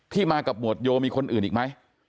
ที่มากับหมวดโยมีคนอื่นอีกมั้ย